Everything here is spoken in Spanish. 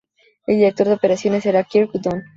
El director de operaciones era Kirk Dunn.